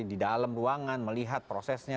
di dalam ruangan melihat prosesnya